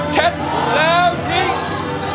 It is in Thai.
เช็ดแล้วทิ้ง